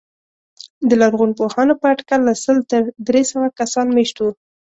د لرغونپوهانو په اټکل له سل تر درې سوه کسان مېشت وو.